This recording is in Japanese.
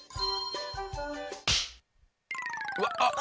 うわっあっ！